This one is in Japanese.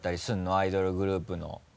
アイドルグループの。